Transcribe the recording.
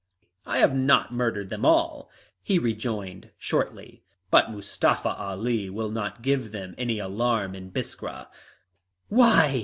"I have not murdered them all," he rejoined shortly, "but Mustafa Ali will not give any alarm in Biskra." "Why?"